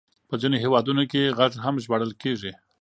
په ځينو هېوادونو کې غږ هم ژباړل کېږي.